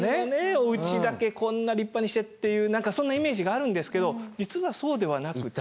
おうちだけこんな立派にしてっていうそんなイメージがあるんですけど実はそうではなくて。